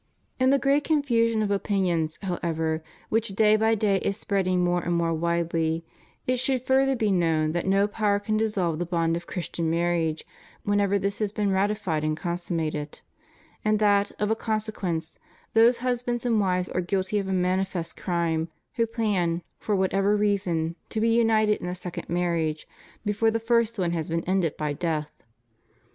In the great confusion of opinions, however, which day by day is spreading more and more widely, it should further be known that no power can dissolve the bond of Christian marriage whenever this has been ratified and consummated; and that, of a consequence, those hus bands and wives are guilty of a manifest crime who plan, for whatever reason, to be united in a second marriage before the first one has been ended by death.